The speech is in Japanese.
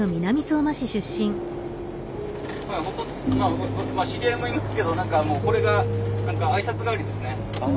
まあ知り合いもいますけど何かもうこれが挨拶代わりですね。